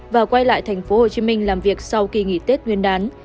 và quay lại tp hcm làm việc sau kỳ nghỉ tết nguyên đán